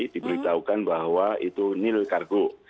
diberitahukan bahwa itu nil cargo